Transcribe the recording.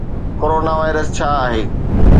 Corona virus ڇا آهي؟